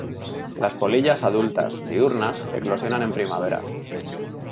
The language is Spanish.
Las polillas adultas, diurnas, eclosionan en primavera.